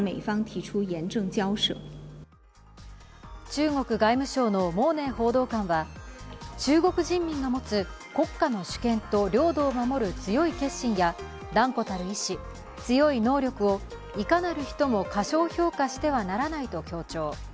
中国外務省の毛寧報道官は中国人民が持つ国家の主権と領土を守る強い決心や断固たる意思、強い能力をいかなる人も過小評価してはならないと強調。